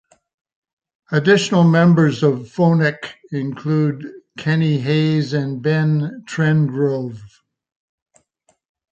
Additional members of Phonik include Kenny Hayes and Ben Trengrove.